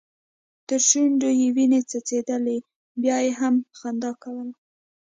تر شونډو يې وينې څڅيدې بيا يې هم خندا کوله.